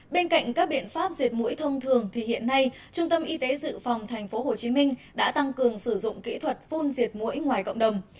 bên cạnh các biện pháp diệt mũi thông thường thì hiện nay trung tâm y tế dự phòng tp hcm đã tăng cường sử dụng kỹ thuật phun diệt mũi ngoài cộng đồng